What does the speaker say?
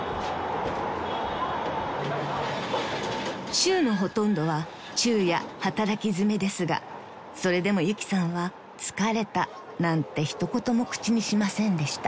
［週のほとんどは昼夜働きづめですがそれでもゆきさんは「疲れた」なんて一言も口にしませんでした］